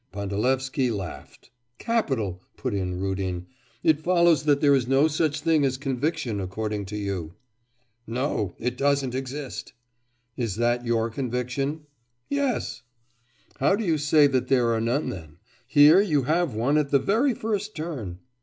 Pandalevsky laughed. 'Capital!' put in Rudin, 'it follows that there is no such thing as conviction according to you?' 'No, it doesn't exist.' 'Is that your conviction?' 'Yes.' 'How do you say that there are none then? Here you have one at the very first turn.